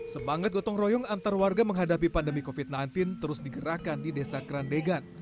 semangat gotong royong antar warga menghadapi pandemi covid sembilan belas terus digerakkan di desa kerandegan